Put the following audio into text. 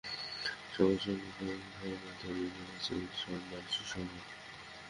সকল সাম্প্রদায়িক ধর্মই ধরিয়া লইয়াছে যে, সব মানুষই সমান।